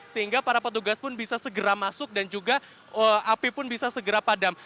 sehingga para petugas pun bisa segera masuk dan juga api pun bisa segera padam